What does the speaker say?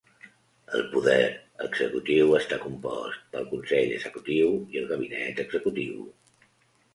El poder executiu està compost pel Consell Executiu i el Gabinet Executiu.